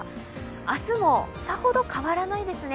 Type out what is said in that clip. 明日もさほど変わらないですね。